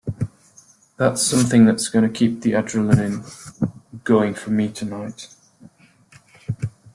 That's something that's going to keep the adrenaline going for me tonight.